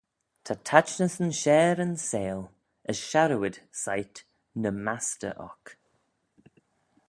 Ta taitnysyn share yn seihll, as sharrooid seiht ny mastey oc.